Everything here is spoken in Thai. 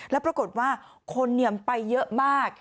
แล้วปรากฏว่าคนเหนียมไปเยอะมาก